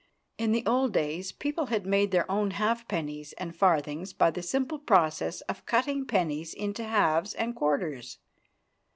In the old days, people had made their own halfpennies and farthings by the simple process of cutting pennies into halves and quarters.